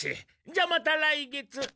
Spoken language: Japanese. じゃあまた来月。